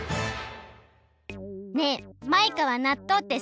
ねえマイカはなっとうってすき？